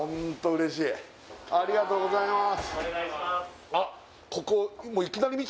うれしい今ありがとうございます